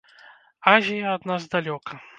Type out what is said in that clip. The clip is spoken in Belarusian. Азія ад нас далёка!